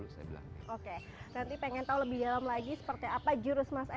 oke nanti pengen tau